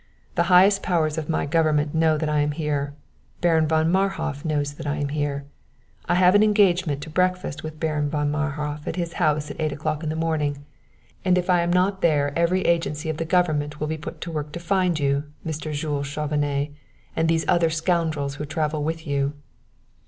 The highest powers of my government know that I am here; Baron von Marhof knows that I am here. I have an engagement to breakfast with Baron von Marhof at his house at eight o'clock in the morning, and if I am not there every agency of the government will be put to work to find you, Mr. Jules Chauvenet, and these other scoundrels who travel with you."